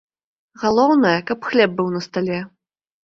Галоўнае, каб хлеб быў на стале.